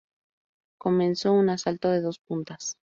Comenzó un asalto de dos puntas.